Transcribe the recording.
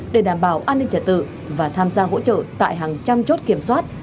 để đảm bảo an ninh trả tự và tham gia hỗ trợ tại hàng trăm chốt kiểm soát